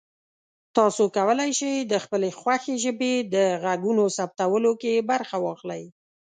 تاسو کولی شئ د خپلې خوښې ژبې د غږونو ثبتولو کې برخه واخلئ.